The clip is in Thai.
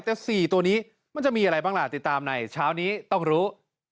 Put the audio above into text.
แต่๔ตัวนี้มันจะมีอะไรบ้างล่ะติดตามในเช้านี้ต้องรู้